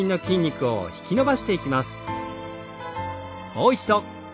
もう一度。